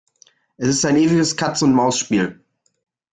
Es ist ein ewiges Katz-und-Maus-Spiel.